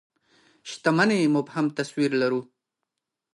شتمنۍ مبهم تصوير لرو.